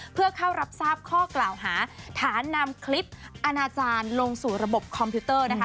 เพื่อเข้ารับทราบข้อกล่าวหาฐานนำคลิปอาณาจารย์ลงสู่ระบบคอมพิวเตอร์นะคะ